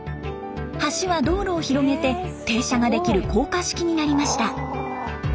橋は道路を広げて停車ができる高架式になりました。